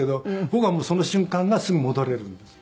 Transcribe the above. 僕はその瞬間がすぐ戻れるんです。